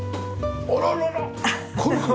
あららら！